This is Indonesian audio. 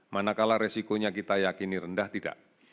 manakala risikonya kita yakini rendah tidak